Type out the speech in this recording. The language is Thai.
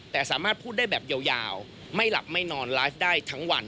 แต่สามารถพูดได้แบบยาวไม่หลับไม่นอนไลฟ์ได้ทั้งวัน